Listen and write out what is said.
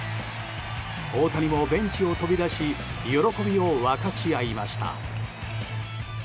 大谷もベンチを飛び出し喜びを分かち合いました。